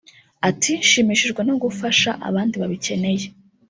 Ati “Nshimishijwe no gufasha abandi babikeneye